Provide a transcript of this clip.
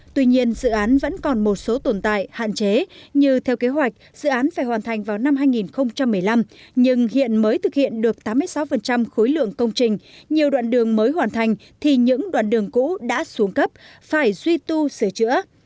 tuy nhiên dự án vẫn còn một số tồn tại hạn chế như theo kế hoạch dự án phải hoàn thành vào năm hai nghìn một mươi năm nhưng hiện mới thực hiện được tám mươi sáu khối lượng công trình nhiều đoạn đường mới hoàn thành thì những đoạn đường cũ đã xuống cấp phải duy tu sửa chữa